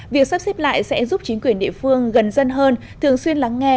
việc sắp xếp lại sẽ giúp chính quyền địa phương gần dân hơn thường xuyên lắng nghe